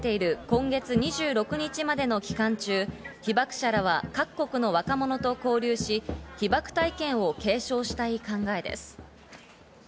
今月２６日までの期間中、被爆者らは各国の若者と交流し、被爆体験を継承したい考えです。